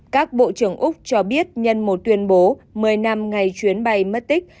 các bộ trưởng úc cho biết nhân một tuyên bố một mươi năm ngày chuyến bay mất tích